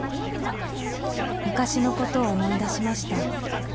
「昔のことを思い出しました」